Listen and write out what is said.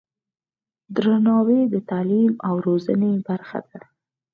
درناوی د تعلیم او روزنې برخه ده.